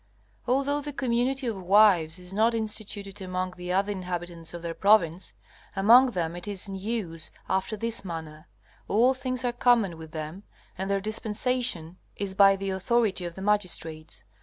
Although the community of wives is not instituted among the other inhabitants of their province, among them it is in use after this manner: All things are common with them, and their dispensation is by the authority of the magistrates.